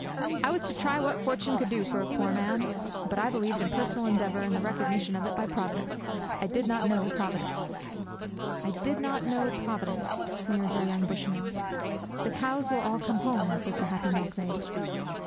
'I was to try what fortune could do for a poor man; but I believed in personal endeavour and the recognition of it by Providence. I did not know Providence.' 'I did not know Providence!' sneers our young bushman. 'The cows will all come home,' says the happy milkmaid.